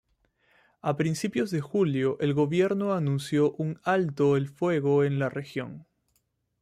A principios de julio, el gobierno anunció un alto el fuego en la región.